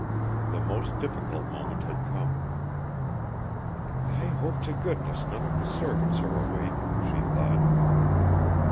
The most difficult moment had come. "I hope to goodness none of the servants are awake," she thought...